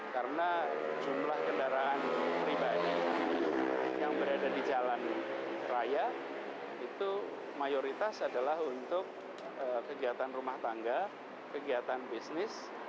karena jumlah kendaraan pribadi yang berada di jalan raya itu mayoritas adalah untuk kegiatan rumah tangga kegiatan bisnis